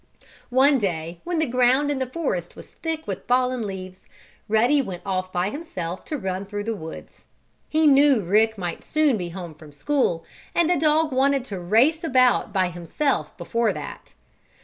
One day, when the ground in the forest was thick with the fallen leaves, Ruddy went off by himself to run through the woods. He knew Rick might soon be home from school, and the dog wanted to race about by himself before that.